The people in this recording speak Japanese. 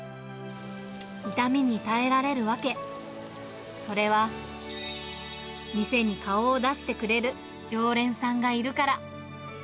痛みに耐えられる訳、それは、店に顔を出してくれる常連さんがいるから。